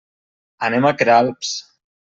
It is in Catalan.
Anem a Queralbs.